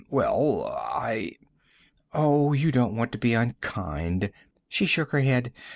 "Well, I " "Oh, you don't want to be unkind!" She shook her head.